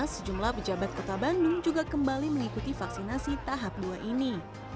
sejumlah pejabat kota bandung juga kembali mengikuti vaksinasi tahap dua ini